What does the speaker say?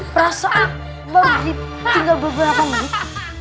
perasaan menghip tinggal beberapa menit